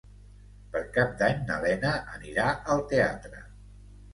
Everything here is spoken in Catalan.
Per Cap d'Any na Lena anirà al teatre.